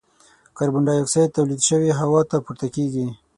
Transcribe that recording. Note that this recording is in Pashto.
کاربن ډای اکسایډ تولید شوی هوا ته پورته کیږي.